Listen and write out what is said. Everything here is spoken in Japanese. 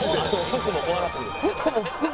服も怖くなってくる。